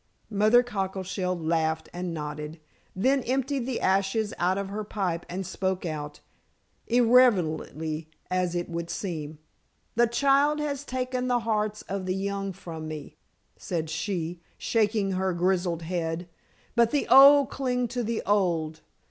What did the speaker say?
Mother Cockleshell laughed and nodded, then emptied the ashes out of her pipe and spoke out, irrelevantly as it would seem: "The child has taken the hearts of the young from me," said she, shaking her grizzled head; "but the old cling to the old.